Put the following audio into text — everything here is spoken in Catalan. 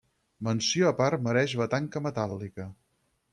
Menció a part mereix la tanca metàl·lica.